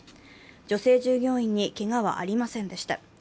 女性従業員にけがはありませんでした。